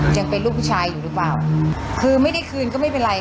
ยังเป็นลูกผู้ชายอยู่หรือเปล่าคือไม่ได้คืนก็ไม่เป็นไร